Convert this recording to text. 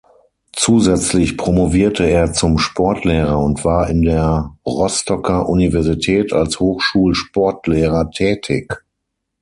Zusätzlich promovierte er zum Sportlehrer und war in der Rostocker Universität als Hochschul-Sportlehrer tätig.